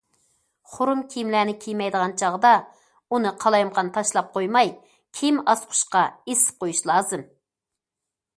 خۇرۇم كىيىملەرنى كىيمەيدىغان چاغدا، ئۇنى قالايمىقان تاشلاپ قويماي، كىيىم ئاسقۇچقا ئېسىپ قويۇش لازىم.